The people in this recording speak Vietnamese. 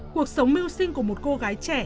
cuộc sống mưu sinh của một cô gái trẻ